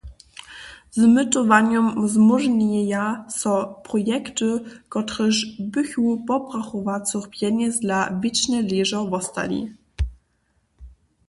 Z mytowanjom zmóžnjeja so projekty, kotrež bychu pobrachowacych pjenjez dla wěčnje ležo wostali.